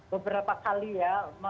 beberapa kali ya